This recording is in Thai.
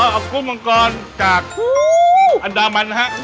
เอากุ้งมังกรจากอันดามันนะฮะ